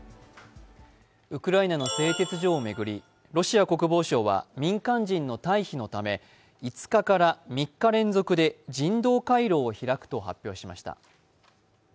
ウクライナの製鉄所を巡り、ロシア国防省は、民間人の退避のため５日から３日連続で人道回廊を開くと発表しました。